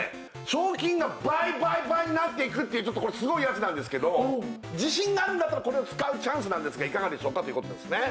賞金が倍倍倍になっていくっていうちょっとこれすごいやつなんですけど自信があるんだったらこれを使うチャンスなんですがいかがでしょうか？ということですね